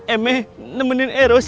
emang nemenin er ya